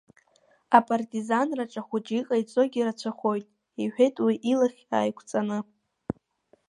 Апартизанраҿ ахәыҷы иҟаиҵогьы рацәахоит, — иҳәеит уи илахь ааиқәҵаны.